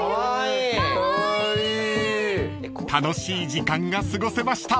［楽しい時間が過ごせました］